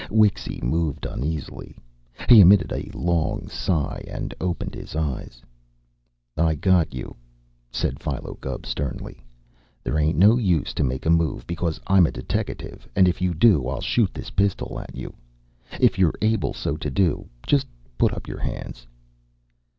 Wixy moved uneasily. He emitted a long sigh and opened his eyes. "I got you!" said Philo Gubb sternly. "There ain't no use to make a move, because I'm a deteckative, and if you do I'll shoot this pistol at you. If you're able so to do, just put up your hands."